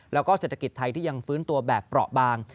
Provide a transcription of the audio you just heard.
แล้วก็เศรษฐกิจไทยที่ยังฟื้นตัวแบบเปราะบาง